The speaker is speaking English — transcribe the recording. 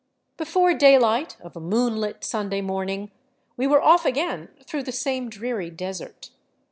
Before daylight of a moonlit Sunday morning we were off again through the same dreary desert.